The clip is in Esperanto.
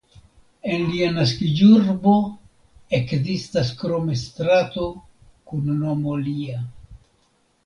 En lia naskiĝurbo ekzistas krome strato kun nomo lia.